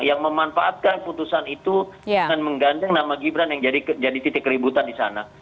yang memanfaatkan putusan itu dengan menggandeng nama gibran yang jadi titik keributan di sana